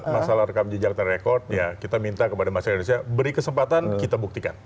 masalah rekam jejak dan rekod ya kita minta kepada masyarakat indonesia beri kesempatan kita buktikan